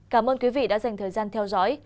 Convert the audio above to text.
cảm ơn quý vị đã dành thời gian theo dõi